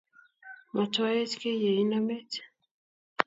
Matwa-ech kiy ye inamech,